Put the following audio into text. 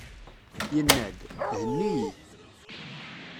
Yenna-d: Henni-iyi!